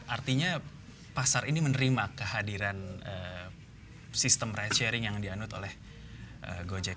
artinya pasar ini menerima kehadiran sistem ride sharing yang dianut oleh gojek